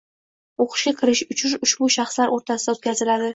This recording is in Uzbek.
Oʻqishga kirish uchun ushbu shaxslar oʻrtasida oʻtkaziladi